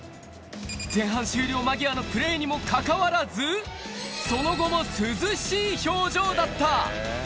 前半終了間際のプレーにもかかわらず、その後も涼しい表情だった。